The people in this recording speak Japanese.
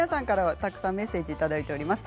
たくさんメッセージをいただいています。